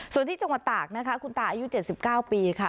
ส่วนที่จังหวัดตากนะคะคุณตาอายุ๗๙ปีค่ะ